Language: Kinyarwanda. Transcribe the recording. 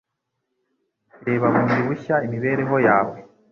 Reba bundi bushya imibereho yawe.